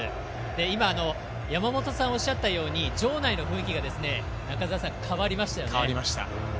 今、山本さんがおっしゃったように場内の雰囲気が中澤さん、変わりましたよね。